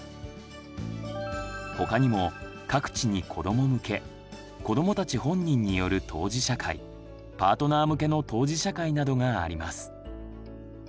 他にも各地に子ども向け子どもたち本人による当事者会パートナー向けの当事者会などがあります。